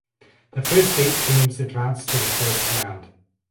The first eight teams advanced to the first round.